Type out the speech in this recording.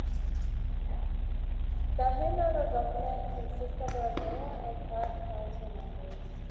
The Hanover government consists of a mayor and five council members.